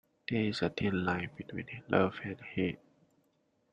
There is a thin line between love and hate.